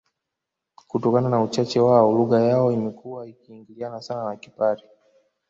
Kutokana na uchache wao lugha yao imekuwa inaingiliana sana na Kipare